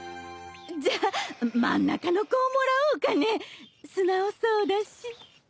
犬磴真ん中の子をもらおうかね素直そうだし。